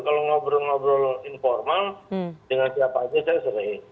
kalau ngobrol ngobrol informal dengan siapa saja saya serahin